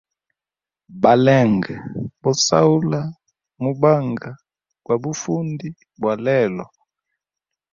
Balenge bo sahula mubanga gwa bufundi bwa lelo.